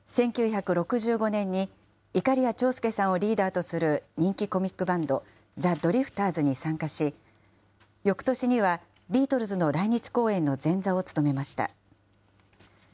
１９６５年に、いかりや長介さんをリーダーとする人気コミックバンド、ザ・ドリフターズに参加し、よくとしにはビートルズの来日公演の前座を務めました。